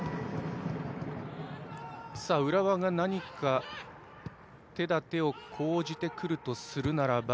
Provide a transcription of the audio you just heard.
浦和が何か手立てを講じてくるとするなら。